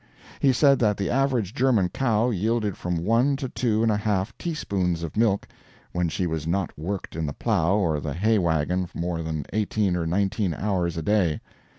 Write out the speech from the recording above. He said that the average German cow yielded from one to two and half teaspoons of milk, when she was not worked in the plow or the hay wagon more than eighteen or nineteen hours a day.